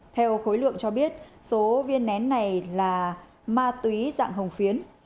theo khối lượng cho biết số viên nén này là ma túy dạng hồng phiến